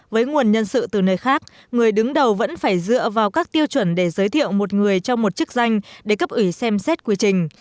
với nguồn nhân sự từ nơi khác người đứng đầu vẫn phải dựa vào các tiêu chuẩn để giới thiệu một người cho một chức danh để cấp ủy xem xét quy trình